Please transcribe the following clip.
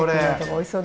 おいしそう。